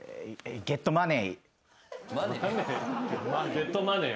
ゲットマネー。